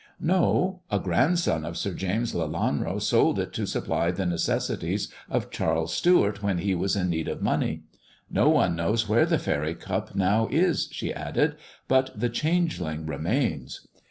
"No. A grandson of Sir James Lelanro sold it to supply the necessities of Charles Stewart when he was in need of money. No one knows where the faery cup now is," she added, "but the changeling remains.